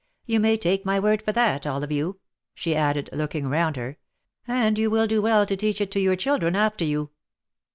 You may take my word for that, all of you," she added, looking round her; " and you will do well to teach it to your children after you."